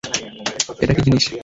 এটা কী জিনিস?